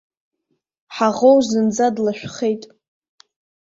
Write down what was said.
Ҳаӷоу зынӡа длашәхеит.